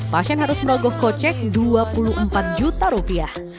pasien harus merogoh kocek dua puluh empat juta rupiah